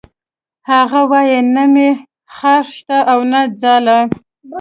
هغه وایی نه مې خاښ شته او نه ځاله